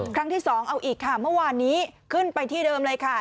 ครั้งที่สองเอาอีกค่ะเมื่อวานนี้ขึ้นไปที่เดิมเลยค่ะ